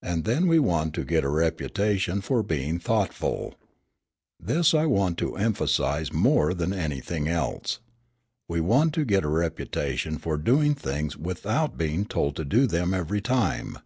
"And then we want to get a reputation for being thoughtful. This I want to emphasise more than anything else. We want to get a reputation for doing things without being told to do them every time.